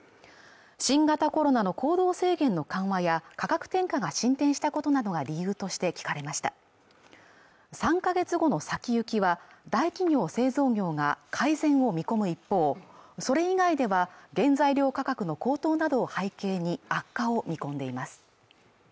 新型コロナの行動制限の緩和や価格転嫁が進展したことなどが理由として聞かれました３か月後の先行きは大企業製造業が改善を見込む一方それ以外では原材料価格の高騰などを背景に悪化を見込んでいます